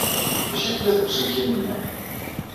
D acu ay tlid deg uselkim-nni?